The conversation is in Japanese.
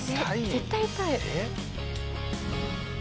絶対痛い。